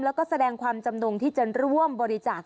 แล้วก็แสดงความจำนงที่จะร่วมบริจาค